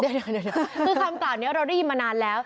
เดี๋ยวคำกล่าวนี้เราได้ยินมานานแล้ว